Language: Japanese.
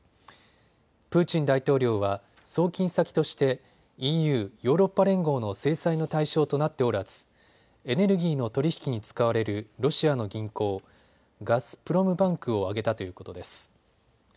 プーチン大統領は送金先としてＥＵ・ヨーロッパ連合の制裁の対象となっておらずエネルギーの取り引きに使われるロシアの銀行、ガスプロムバンクを挙げたということです。